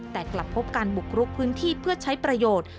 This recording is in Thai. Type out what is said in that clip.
แต่กลับพบการบุกรุกพื้นที่เพื่อใช้ประโยชน์